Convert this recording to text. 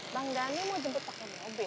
bang dhani mau jemput pakai mobil